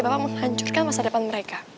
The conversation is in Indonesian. bapak mau hancurkan masa depan mereka